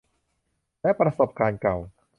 และประสบการณ์เก่า